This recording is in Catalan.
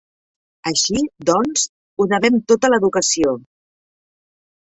Així, doncs, ho devem tot a l'educació.